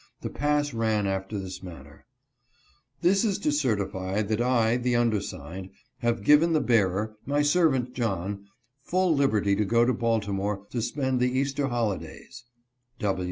The pass ran after this manner :" This is to certify that I, the undersigned, have given the bearer, my servant John, full liberty to go to Balti more to spend the Easter holidays.